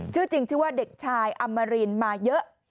ชื่อจริงชื่อว่าเด็กชายอมรินมาเยอะ